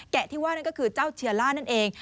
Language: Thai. ที่ว่านั่นก็คือเจ้าเชื้อล่านั่นเอง